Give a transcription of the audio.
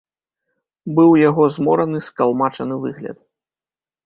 Быў у яго змораны, скалмачаны выгляд.